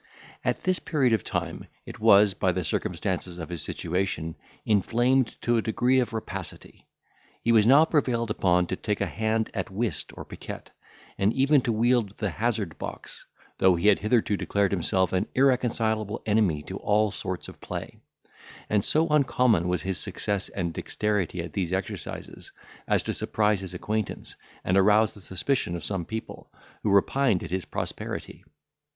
At this period of time it was, by the circumstances of his situation, inflamed to a degree of rapacity. He was now prevailed upon to take a hand at whist or piquet, and even to wield the hazard box; though he had hitherto declared himself an irreconcilable enemy to all sorts of play; and so uncommon was his success and dexterity at these exercises, as to surprise his acquaintance, and arouse the suspicion of some people, who repined at his prosperity.